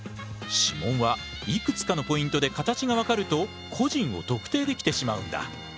指紋はいくつかのポイントで形がわかると個人を特定できてしまうんだ。